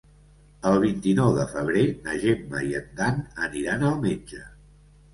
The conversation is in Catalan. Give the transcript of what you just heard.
El vint-i-nou de febrer na Gemma i en Dan aniran al metge.